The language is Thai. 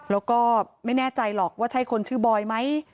แล้วก็ไม่แน่ใจหรอกว่าใช่คนชื่อบอยไหม